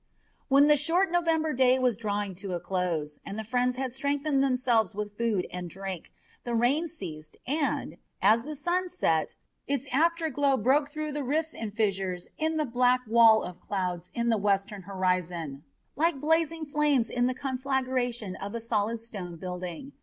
When the short November day was drawing to a close, and the friends had strengthened themselves with food and drink, the rain ceased and, as the sun set, its after glow broke through the rifts and fissures in the black wall of clouds in the western horizon like blazing flames in the conflagration of a solid stone building.